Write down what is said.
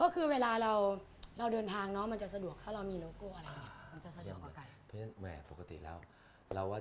โอเคค่ะปกติเราก็จะไม่ให้นอนบนเตียงด้วยนะ